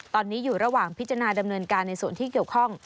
ตอนนี้อยู่ระหว่างพิจารณาดำเนินการในส่วนที่เกี่ยวข้อง